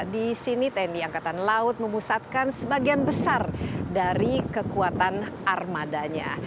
di sini tni angkatan laut memusatkan sebagian besar dari kekuatan armadanya